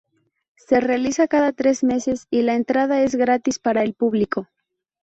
Se realiza cada tres meses y la entrada es gratis para el público.